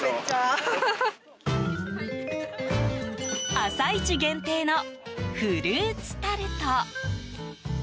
朝市限定のフルーツタルト。